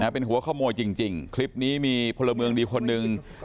เป็นหัวขโมยจริงคลิปนี้มีพลเมืองดีคนหนึ่ง